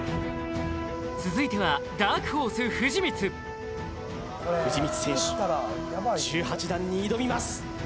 続いてはダークホース・藤光藤光選手１８段に挑みます